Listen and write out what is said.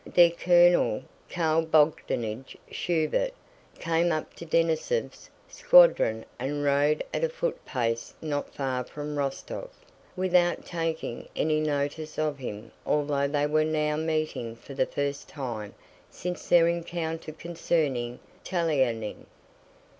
Their colonel, Karl Bogdánich Schubert, came up to Denísov's squadron and rode at a footpace not far from Rostóv, without taking any notice of him although they were now meeting for the first time since their encounter concerning Telyánin.